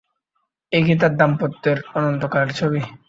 এই কি তার দাম্পত্যের অনন্তকালের ছবি?